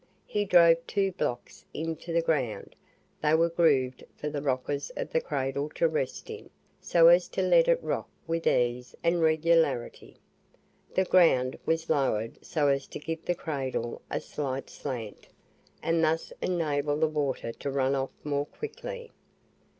He drove two blocks into the ground; they were grooved for the rockers of the cradle to rest in, so as to let it rock with ease and regularity. The ground was lowered so as to give the cradle a slight slant, and thus enable the water to run off more quickly.